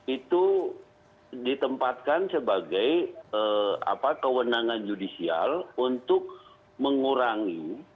itu ditempatkan sebagai kewenangan judisial untuk mengurangi